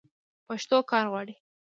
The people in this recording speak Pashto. پښتو کار غواړي.